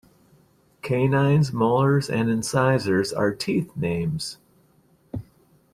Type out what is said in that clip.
Canines, Molars and Incisors are teeth names.